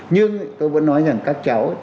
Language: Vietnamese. nhưng tôi vẫn nói rằng các cháu